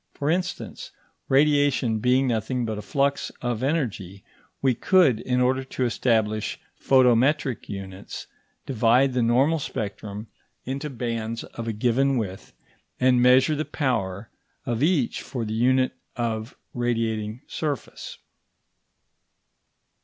For instance, radiation being nothing but a flux of energy, we could, in order to establish photometric units, divide the normal spectrum into bands of a given width, and measure the power of each for the unit of radiating surface.